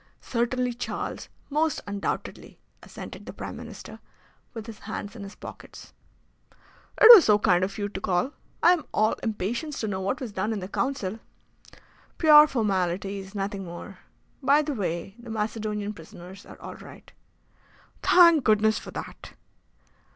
"Certainly, Charles, most undoubtedly," assented the Prime Minister, with his hands in his pockets. "It was so kind of you to call. I am all impatience to know what was done in the Council." "Pure formalities, nothing more. By the way, the Macedonian prisoners are all right." "Thank Goodness for that!"